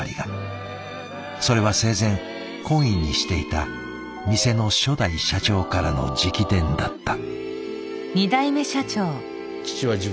それは生前懇意にしていた店の初代社長からの直伝だった。